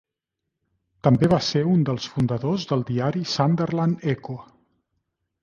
També va ser un dels fundadors del diari "Sunderland Echo".